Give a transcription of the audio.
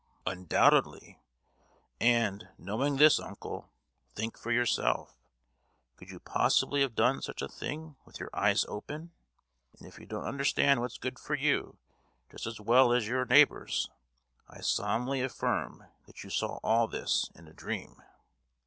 "Undoubtedly; and, knowing this, uncle, think for yourself. Could you possibly have done such a thing with your eyes open? As if you don't understand what's good for you just as well as your neighbours. I solemnly affirm that you saw all this in a dream!"